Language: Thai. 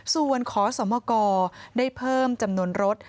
ส่วนขอสมกได้เพิ่มจำนวนรถ